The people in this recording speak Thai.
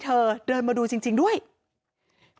แต่เธอก็ไม่ละความพยายาม